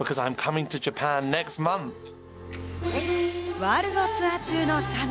ワールドツアー中のサム。